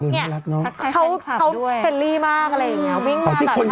นี่นี่เหรอเขาเฟลลี่มากอะไรอย่างนี้วิ่งมาอยู่แบบชาตินะครับ